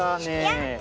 やった！